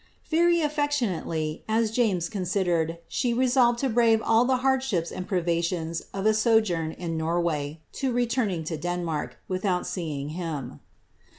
Very aflectionately, as James considered, she resolved to brave all the hard ships and privations of a sojourn in Norway, to returning to Denmark, without seeing him.